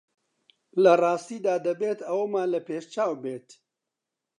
لە ڕاستیدا دەبێت ئەوەمان لە پێشچاو بێت